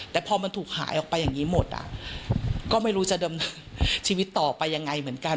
แต่พอมันถูกหายออกไปอย่างนี้หมดอ่ะก็ไม่รู้จะดำเนินชีวิตต่อไปยังไงเหมือนกัน